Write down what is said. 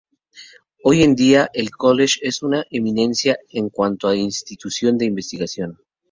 Hoy en día el college es una eminencia en cuanto a institución de investigación.